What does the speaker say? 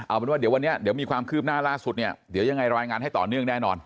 เอาเป็นว่าเดี๋ยววันนี้เดี๋ยวมีความคืบหน้าล่าสุดเนี่ยเดี๋ยวยังไงรายงานให้ต่อเนื่องแน่นอน